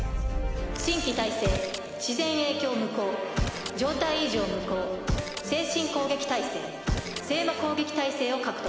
新規耐性「自然影響無効状態異常無効精神攻撃耐性聖魔攻撃耐性」を獲得。